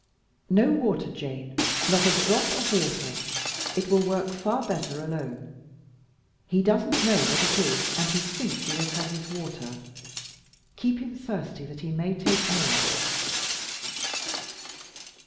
"No water, Jane, not a drop of water! It will work far better alone. He doesn't know what it is, and he thinks he has had his water. Keep him thirsty that he may take more."